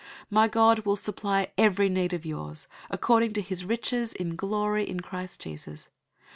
004:019 My God will supply every need of yours according to his riches in glory in Christ Jesus.